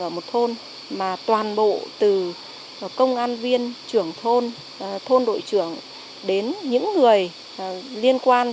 ở một thôn mà toàn bộ từ công an viên trưởng thôn thôn thôn đội trưởng đến những người liên quan